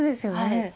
はい。